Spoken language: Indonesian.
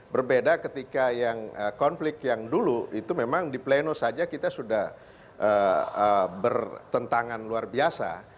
berbeda ketika yang konflik yang dulu itu memang di pleno saja kita sudah bertentangan luar biasa